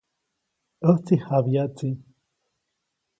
ʼÄjtsi jäbyaʼtsi.